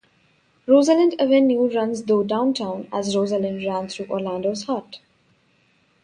Rosalind Avenue runs though downtown, as Rosalind ran through Orlando's heart.